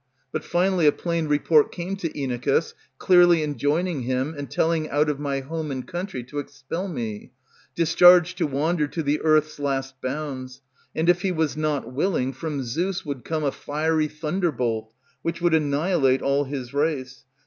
But finally a plain report came to Inachus, Clearly enjoining him and telling Out of my home and country to expel me, Discharged to wander to the earth's last bounds; And if he was not willing, from Zeus would come A fiery thunderbolt, which would annihilate all his race.